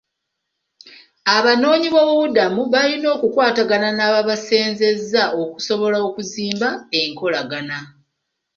Abanoonyiboobubudamu bayina okukwatagaana n'ababasenzezza okusobola okuzimba ekolagana.